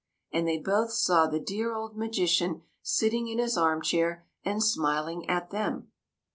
And they both saw the dear old magi cian, sitting in his arm chair and smiling at them.